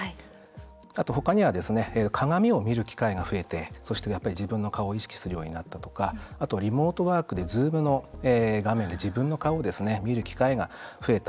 あと他には鏡を見る機会が増えて自分の顔を意識するようになったとかあとリモートワークでＺｏｏｍの画面で自分の顔を見る機会が増えた。